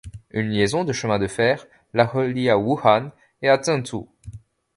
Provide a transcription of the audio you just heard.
Une liaison de chemin de fer la relie à Wuhan et à Zhengzhou.